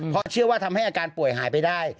เพราะเชื่อว่าทำให้อาการป่วยหายไปได้